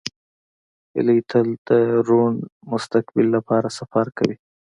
هیلۍ تل د روڼ مستقبل لپاره سفر کوي